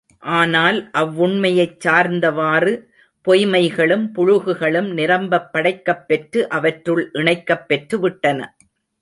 ஆனால் அவ்வுண்மையைச் சார்ந்தவாறு பொய்ம்மைகளும் புளுகுகளும் நிரம்பப் படைக்கப் பெற்று அவற்றுள் இணைக்கப் பெற்றுவிட்டன.